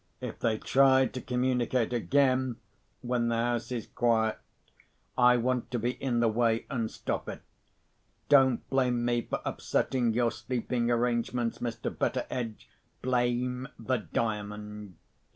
If they try to communicate again, when the house is quiet, I want to be in the way, and stop it. Don't blame me for upsetting your sleeping arrangements, Mr. Betteredge—blame the Diamond."